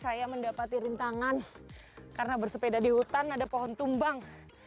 saya mendapati rintangan karena bersepeda di hutan ada pohon tumbang